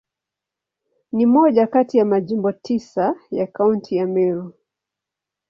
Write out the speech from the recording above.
Ni moja kati ya Majimbo tisa ya Kaunti ya Meru.